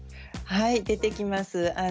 はい出てきます。